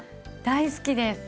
大好きです。